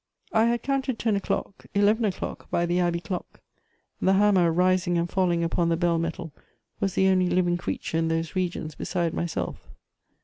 I had counted ten o'clock, eleven o'clock by the abbey clock: the hammer rising and falling upon the bell metal was the only living creature in those regions beside myself.